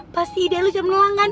pasti ide lo cermelang kan